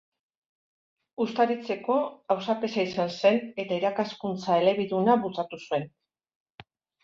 Uztaritzeko auzapeza izan zen, eta irakaskuntza elebiduna bultzatu zuen.